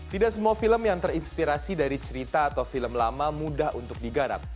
tidak semua film yang terinspirasi dari cerita atau film lama mudah untuk digarap